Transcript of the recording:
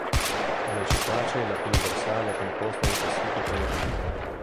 Nei Cetacei la pinna dorsale è composta di tessuto connettivo.